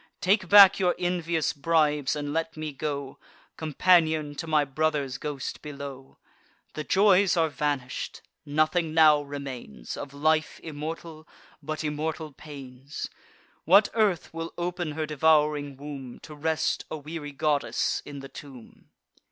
Take back your envious bribes, and let me go Companion to my brother's ghost below! The joys are vanish'd: nothing now remains, Of life immortal, but immortal pains. What earth will open her devouring womb, To rest a weary goddess in the tomb!"